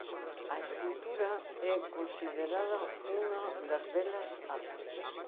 A escultura é considerada unha das Belas Artes.